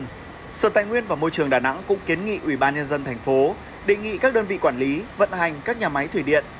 ngoài sở tài nguyên và môi trường đà nẵng cũng kiến nghị ủy ban nhân dân thành phố đề nghị các đơn vị quản lý vận hành các nhà máy thủy điện